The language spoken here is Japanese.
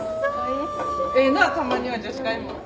ええなたまには女子会も。